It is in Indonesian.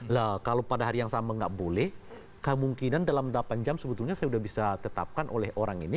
nah kalau pada hari yang sama nggak boleh kemungkinan dalam delapan jam sebetulnya saya sudah bisa tetapkan oleh orang ini